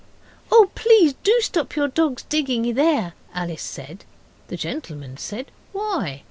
'Oh, please, do stop your dogs digging there!' Alice said. The gentleman said 'Why?